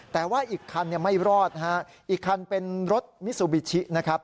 แต่ว่าอีกคันไม่รอดฮะอีกคันเป็นรถมิซูบิชินะครับ